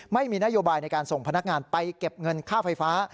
ไม่มีนโยบายในการส่งพนักงานไปเก็บเงินค่าไฟฟ้า